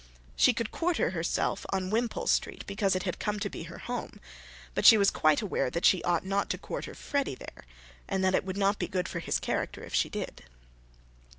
She could quarter herself on Wimpole Street because it had come to be her home; but she was quite aware that she ought not to quarter Freddy there, and that it would not be good for his character if she did.